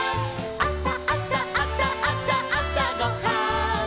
「あさあさあさあさあさごはん」